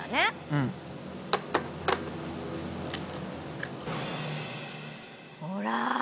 うん。ほら！